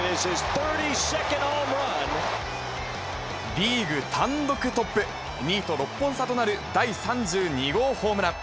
リーグ単独トップ、２位と６本差となる第３２号ホームラン。